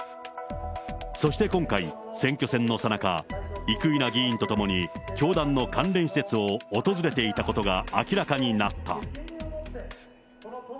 そして今回、選挙戦のさなか、生稲議員と共に、教団の関連施設を訪れていたことが明らかになった。